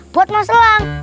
buat mas elang